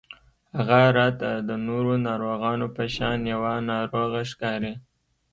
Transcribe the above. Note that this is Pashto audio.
هغه راته د نورو ناروغانو په شان يوه ناروغه ښکاري